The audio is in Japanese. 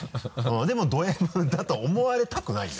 でもドＭだと思われたくないんだ？